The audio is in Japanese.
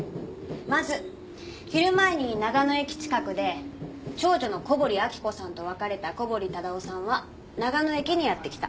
まず昼前に長野駅近くで長女の小堀明子さんと別れた小堀忠夫さんは長野駅にやって来た。